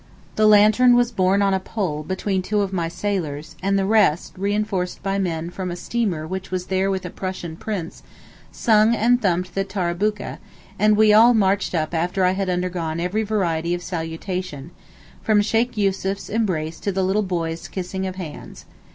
The lantern was borne on a pole between two of my sailors, and the rest, reinforced by men from a steamer which was there with a Prussian prince, sung and thumped the tarabookeh, and we all marched up after I had undergone every variety of salutation, from Sheykh Yussuf's embrace to the little boys' kissing of hands.